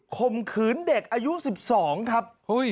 ข่มขืนเด็กอายุ๑๒ครับ